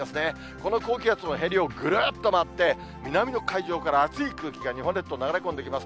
この高気圧のへりをぐるっと回って、南の海上から暑い空気が日本列島流れ込んできます。